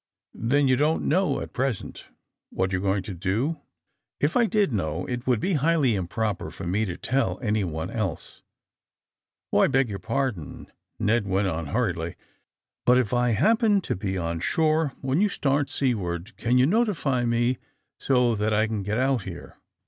^^Then you don't know, at present, what you're going to doT" *^If I did know it would be highly improper for me to tell anyone else." *^0h, I beg your pardon," Ned went on hur riedly. ^^But if I happen to be on shore when you start seaward, can you notify me so that I can get out here?"